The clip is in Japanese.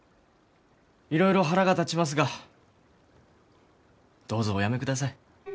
いろいろ腹が立ちますがどうぞお辞めください。